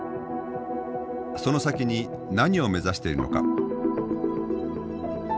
その先に何を目指しているのか。